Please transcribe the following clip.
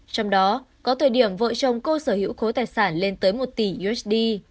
trong đó có thời điểm vợ chồng cô sở hữu khối tài sản lên tới một tỷ usd